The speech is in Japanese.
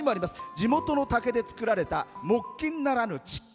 地元の竹で作られた木琴ならぬ竹琴。